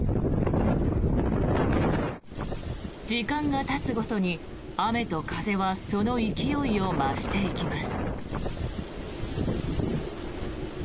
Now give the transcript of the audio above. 時間がたつごとに雨と風がその勢いを増していきます。